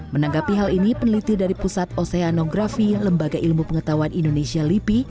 menanggapi hal ini peneliti dari pusat oseanografi lembaga ilmu pengetahuan indonesia lipi